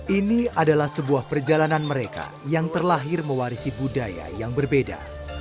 ini adalah sebuah perjalanan mereka yang terlahir mewarisi budaya yang berbeda